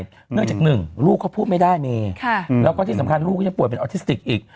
เนื่องจากหนึ่งลูกเขาพูดไม่ได้เมแล้วก็ที่สำคัญลูกก็ยังป่วยเป็นออทิสติกอีก